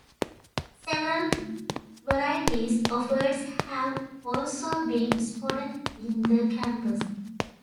Several varieties of birds have also been spotted in the campus.